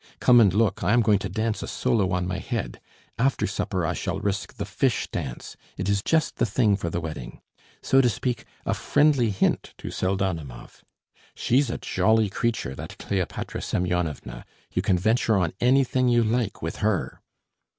"Come and look, I am going to dance a solo on my head; after supper I shall risk the fish dance. It is just the thing for the wedding. So to speak, a friendly hint to Pseldonimov. She's a jolly creature that Kleopatra Semyonovna, you can venture on anything you like with her."